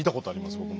僕も。